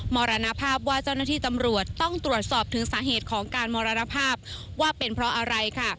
มรณภาพว่าเจ้าหน้าที่ตำรวจต้องตรวจสอบถึงสาเหตุของการมรณภาพว่าเป็นเพราะอะไรค่ะ